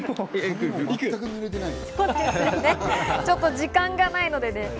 ちょっと時間がないので。